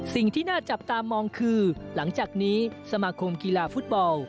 สิ่งที่น่าจับตามองคือหลังจากนี้สมาคมกีฬาฟุตบอล